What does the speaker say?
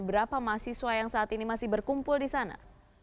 berapa mahasiswa yang saat ini masih berkumpul di sana